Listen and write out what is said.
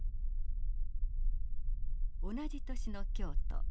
同じ年の京都。